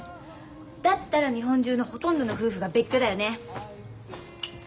だったら日本中のほとんどの夫婦が別居だよね。